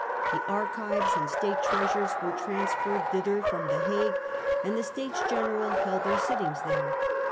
The archives and State treasures were transferred thither from the Hague, and the States General held their sittings there.